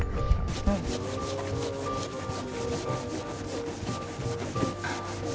tanah yang tadi yang solid